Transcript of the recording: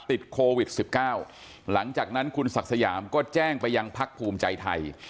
ติดโควิด๑๙หลังจากนั้นคุณศักดิ์สยามก็แจ้งไปยังพักภูมิใจไทย